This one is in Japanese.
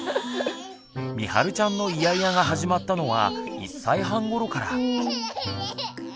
みはるちゃんのイヤイヤが始まったのは１歳半ごろから。